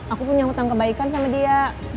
aku punya hutang kebaikan sama dia